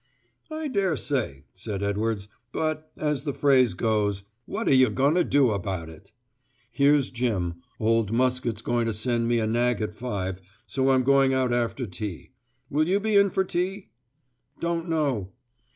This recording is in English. "I dare say," said Edwards; "but, as the phrase goes, 'What are you going to do abaht it?' Here's Jim. Old Muskett's going to send me a nag at five, so I'm going out after tea. Will you be in to tea?" "Don't know."